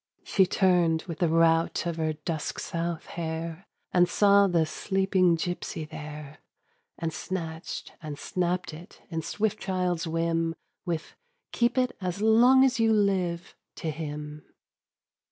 She turned, with the rout of her dusk South hair, And saw the sleeping gipsy there; And snatched and snapped it in swift child's whim, With "Keep it, long as you live!" to him.